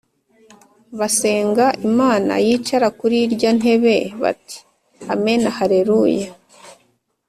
basenga Imana yicara kuri irya ntebe bati “Amen, Haleluya